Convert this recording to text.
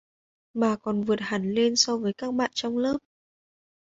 mà còn vượt hẳn lên so với các bạn trong lớp